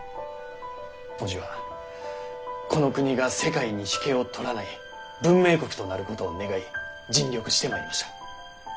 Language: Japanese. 伯父はこの国が世界に引けを取らない文明国となることを願い尽力してまいりました。